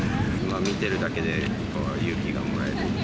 見てるだけで、勇気がもらえる。